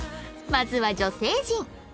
まずは女性陣